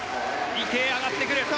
池江、上がってくる。